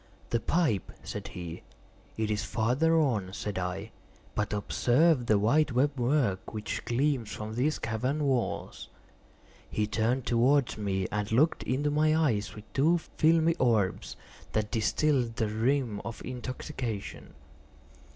"The pipe," said he. "It is farther on," said I; "but observe the white web work which gleams from these cavern walls." He turned towards me, and looked into my eyes with two filmy orbs that distilled the rheum of intoxication.